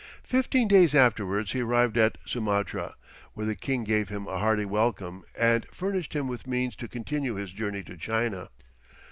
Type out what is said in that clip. Fifteen days afterwards he arrived at Sumatra, where the king gave him a hearty welcome and furnished him with means to continue his journey to China.